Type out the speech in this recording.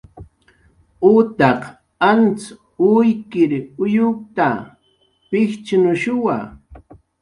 Utaq anz uykir uyukta, pijchnushuwa